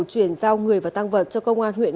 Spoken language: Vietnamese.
chuyển giao người và tăng vật cho công an huyện